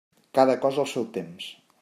Cada cosa al seu temps.